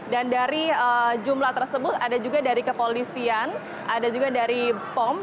dan dari jumlah tersebut ada juga dari kepolisian ada juga dari pom